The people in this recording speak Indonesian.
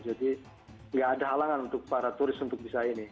jadi nggak ada halangan untuk para turis untuk bisa ini